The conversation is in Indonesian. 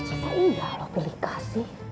kita iya loh pilih kasih